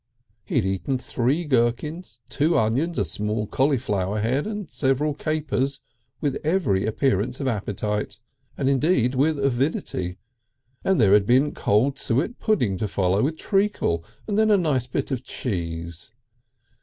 He had eaten three gherkins, two onions, a small cauliflower head and several capers with every appearance of appetite, and indeed with avidity; and then there had been cold suet pudding to follow, with treacle, and then a nice bit of cheese.